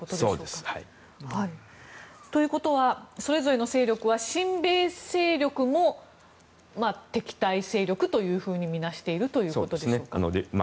そうです。ということはそれぞれの勢力は親米勢力も敵対勢力と見なしているということでしょうか？